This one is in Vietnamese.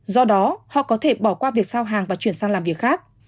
do đó họ có thể bỏ qua việc giao hàng và chuyển sang làm việc khác